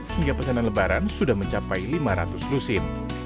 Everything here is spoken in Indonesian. hingga pesanan lebaran sudah mencapai lima ratus lusin